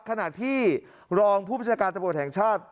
ขณะที่รองผู้ประชาการตำรวจแห่งชาติ